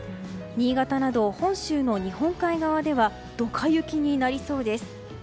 新潟など本州の日本海側ではドカ雪になりそうです。